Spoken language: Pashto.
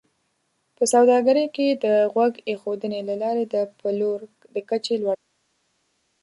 په سوداګرۍ کې د غوږ ایښودنې له لارې د پلور د کچې لوړول